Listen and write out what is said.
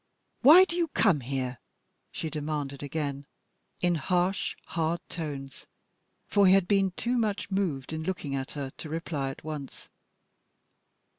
Why do you come here?" she demanded again, in harsh, hard tones; for he had been too much moved in looking at her to reply at once.